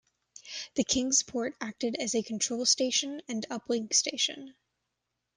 The "Kingsport" acted as a control station and uplink station.